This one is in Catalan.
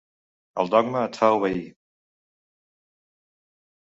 El dogma et fa obeir.